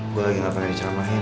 gue lagi nggak pengen dicamain